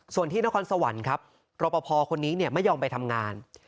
ส่วนที่นครสวรรค์ครับรอปภคนนี้ไม่ยอมไปทำงาน